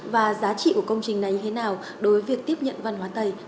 và giá trị của công trình này như thế nào đối với việc tiếp nhận văn hóa tày